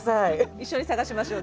一緒に探しましょう。